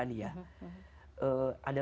adalah karena kita berpengalaman